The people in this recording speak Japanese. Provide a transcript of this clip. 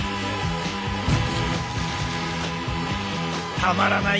たまらない